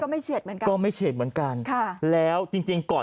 ไม่เฉียดเหมือนกันก็ไม่เฉียดเหมือนกันค่ะแล้วจริงจริงก่อน